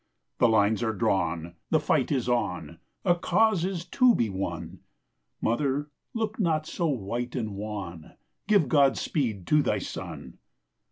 The lines are drawn! The fight is on! A cause is to be won! Mother, look not so white and wan; Give Godspeed to thy son.